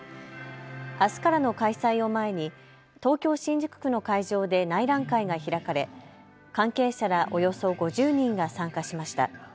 あすからの開催を前に東京新宿区の会場で内覧会が開かれ関係者らおよそ５０人が参加しました。